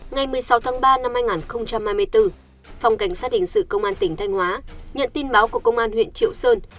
ngày một mươi sáu tháng ba năm hai nghìn hai mươi bốn phòng cảnh sát hình sự công an tỉnh thanh hóa nhận tin báo của công an huyện triệu sơn